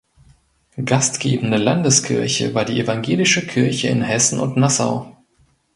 Gastgebende Landeskirche war die Evangelische Kirche in Hessen und Nassau.